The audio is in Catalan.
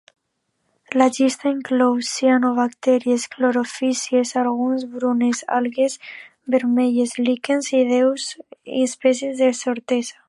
La llista inclou: cianobacteris, clorofícies, algues brunes, algues vermelles, líquens i dues espècies de zostera.